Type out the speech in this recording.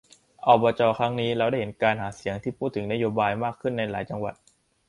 อบจ ครั้งนี้ เราได้เห็นการหาเสียงที่พูดถึงนโยบายมากขึ้นในหลายจังหวัด